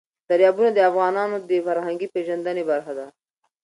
دریابونه د افغانانو د فرهنګي پیژندنې برخه ده.